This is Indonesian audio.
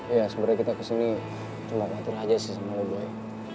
ya sebenernya kita kesini cuma ngatur aja sih sama lo boy